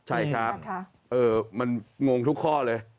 ใช่ครับมันงงทุกข้อเลย